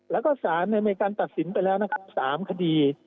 แล้วก็ศาลอเมริกาตัดสินไปแล้ว๓คดี